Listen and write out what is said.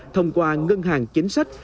thông qua ngân hàng chính sách